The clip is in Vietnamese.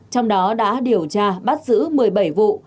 trong đó đã điều tra bắt giữ một mươi bảy vụ